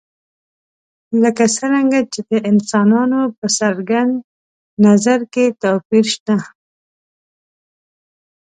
لکه څرنګه چې د انسانانو په څرګند نظر کې توپیر شته.